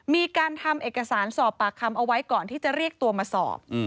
มีการทำเอกสารสอบปากคำเอาไว้ก่อนที่จะเรียกตัวมาสอบ